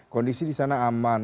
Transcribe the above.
kondisi di sana aman